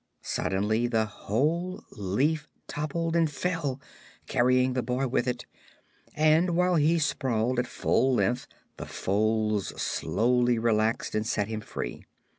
Suddenly the whole leaf toppled and fell, carrying the boy with it, and while he sprawled at full length the folds slowly relaxed and set him free.